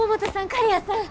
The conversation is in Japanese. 刈谷さん！